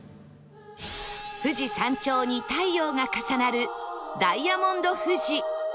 富士山頂に太陽が重なるダイヤモンド富士